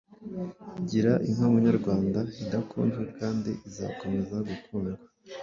Gira inka Munyarwanda irakunzwe kandi izakomeza gukundwa